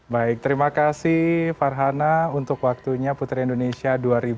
baik terima kasih farhana untuk waktunya putri indonesia dua ribu dua puluh